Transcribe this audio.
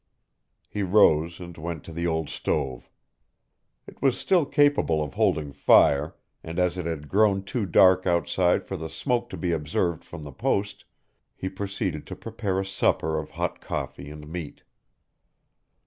He rose and went to the old stove. It was still capable of holding fire, and as it had grown too dark outside for the smoke to be observed from the post, he proceeded to prepare a supper of hot coffee and meat.